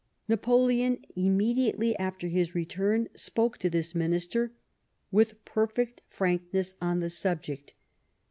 Napoleon, immediately after his return, spoke to this Minister with perfect frankness on the subject.